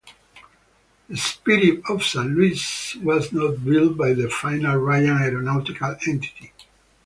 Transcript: The "Spirit of Saint Louis" was not built by the final Ryan Aeronautical entity.